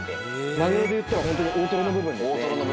マグロでいったらホントに大トロの部分ですね。